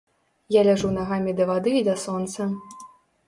Я ляжу нагамі да вады і да сонца.